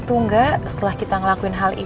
tidak saya mau pulang ya